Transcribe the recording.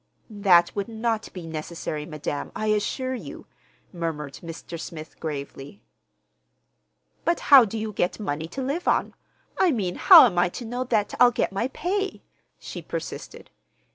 "That would not be necessary, madam, I assure you," murmured Mr. Smith gravely. "But how do you get money to live on? I mean, how am I to know that I'll get my pay?" she persisted.